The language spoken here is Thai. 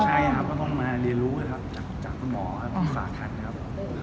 ใช่ครับก็ต้องมาเรียนรู้เตามองใช่มะครับเป็นฝาขันครับ